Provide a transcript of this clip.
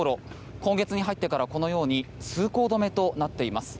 今月に入ってからこのように通行止めとなっています。